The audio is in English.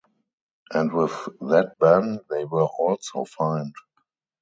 And with that ban they were also fined.